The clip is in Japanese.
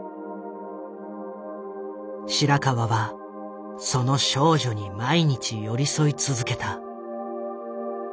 白川はその少女に毎日寄り添い続けた。